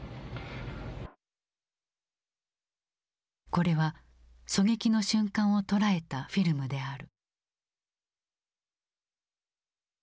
これは狙撃の瞬間を捉えたフィルムである。